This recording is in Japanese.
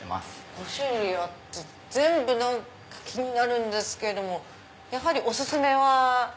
５種類あって全部気になるんですけれどもやはりお薦めは。